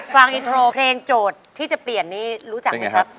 ฟังอินโทรเพลงโจทย์ที่จะเปลี่ยนนี้รู้จักไหมครับ